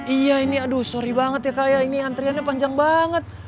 iya ini aduh sorry banget ya kaya ini antriannya panjang banget